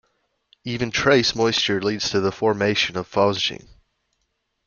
Even trace moisture leads to formation of phosgene.